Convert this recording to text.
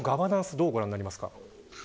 どうご覧になりますか。